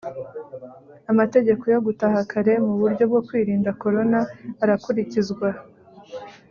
Amategeko yogutaha kare muburyo bwo kwirinda korona arakurikizwa